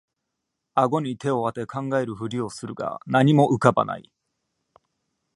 あごに手をあて考えるふりをするが何も浮かばない